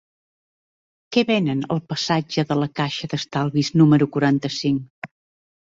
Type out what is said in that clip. Què venen al passatge de la Caixa d'Estalvis número quaranta-cinc?